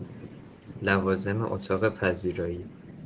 لوازم اتاق پذیرایی: